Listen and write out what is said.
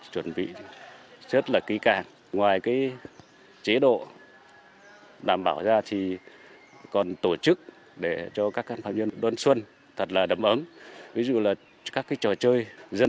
các mặt công tác công tác chuẩn bị ví dụ như đương thực thực phẩm